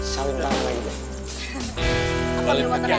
salim tangan mba